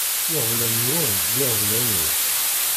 Iɣeblan-nwen d iɣeblan-iw.